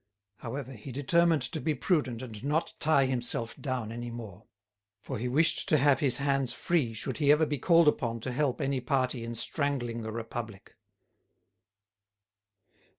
However, he determined to be prudent and not tie himself down any more; for he wished to have his hands free should he ever be called upon to help any party in strangling the Republic.